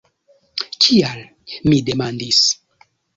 Kial? mi demandis.